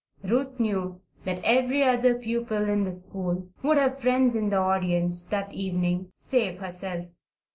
Ruth knew that every other pupil in the school would have friends in the audience that evening save herself.